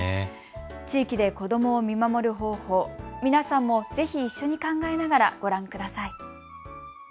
地域で子どもを見守る方法、皆さんもぜひ一緒に考えながら、ご覧ください。